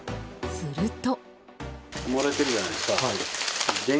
すると。